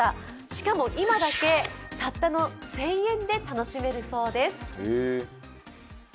しかも今だけたったの１０００円で楽しめるそうです。